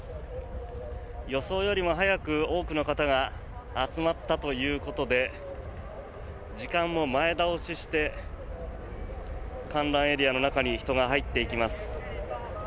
予想よりも早く多くの方が集まったということで時間も前倒しして観覧エリアの中に人が入っていきます。